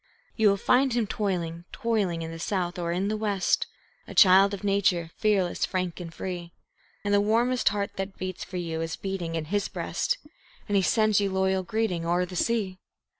You will find him toiling, toiling, in the south or in the west, A child of nature, fearless, frank, and free; And the warmest heart that beats for you is beating in his breast, And he sends you loyal greeting o'er the sea.